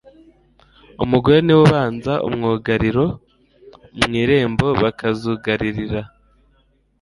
umugore niwe ubanza umwugariro mu irembo, bakazugaririra,